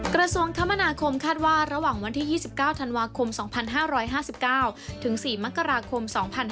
กระทรวงคมนาคมคาดว่าระหว่างวันที่๒๙ธันวาคม๒๕๕๙ถึง๔มกราคม๒๕๕๙